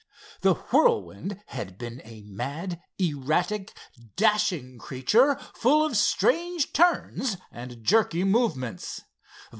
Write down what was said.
The Whirlwind had been a mad, erratic, dashing creature full of strange turns and jerky movements.